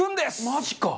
マジか！